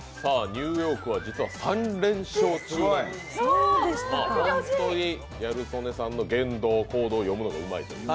ニューヨークは実は３連勝中で、本当にギャル曽根さんの言動、行動を読むのがうまいと。